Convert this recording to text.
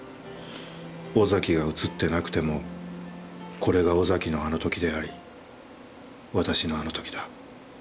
尾崎が映ってなくてもこれが尾崎のあのときであり私のあのときだ。